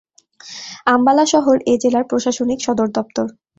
আম্বালা শহর এ জেলার প্রশাসনিক সদর দপ্তর।